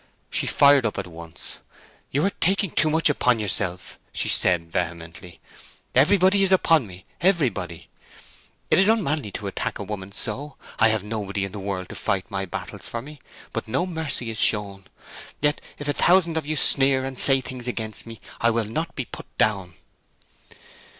She fired up at once. "You are taking too much upon yourself!" she said, vehemently. "Everybody is upon me—everybody. It is unmanly to attack a woman so! I have nobody in the world to fight my battles for me; but no mercy is shown. Yet if a thousand of you sneer and say things against me, I will not be put down!"